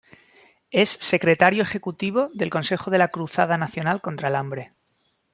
Es secretario Ejecutivo del Consejo de la Cruzada Nacional contra el Hambre.